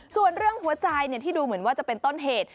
ส่วนเรื่องหัวใจที่ดูเหมือนว่าจะเป็นต้นเหตุ